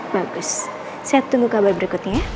bagus saya tunggu kabar berikutnya